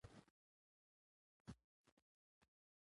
د ملکیار هوتک په کلام کې د غنایي اشعارو رنګ غالب دی.